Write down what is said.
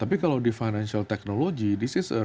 tapi kalau di financial technology di situ kan tidak ada